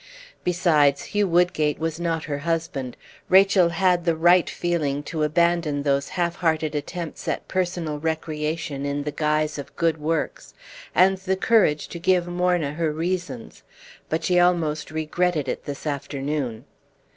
Besides, Hugh Woodgate was not her husband. Rachel had the right feeling to abandon those half hearted attempts at personal recreation in the guise of good works, and the courage to give Morna her reasons; but she almost regretted it this afternoon.